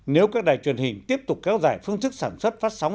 nếu các đài truyền hình tiếp tục kéo dài phương thức sản xuất phát sóng